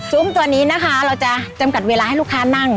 ตัวนี้นะคะเราจะจำกัดเวลาให้ลูกค้านั่ง